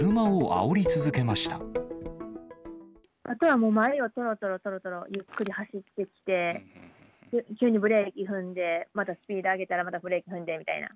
あとは前をちょろちょろちょろちょろ、ゆっくり走ってきて、急にブレーキ踏んで、またスピード上げたらまたブレーキ踏んでみたいな。